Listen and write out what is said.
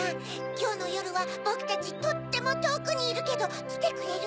きょうのよるはボクたちとってもとおくにいるけどきてくれる？